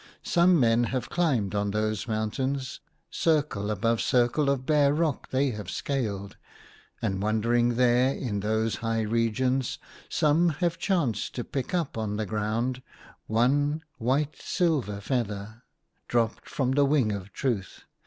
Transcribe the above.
" Some men have climbed on those mountains ; circle above circle of bare rock they have scaled ; and, wandering there, in those high regions, some have chanced to pick up on the ground, one white, silver feather dropped from the wing of Truth.